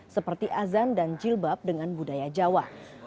seperti azan dan jilbab dengan budaya jawa